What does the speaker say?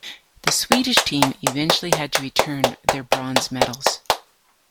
The Swedish team eventually had to return their bronze medals.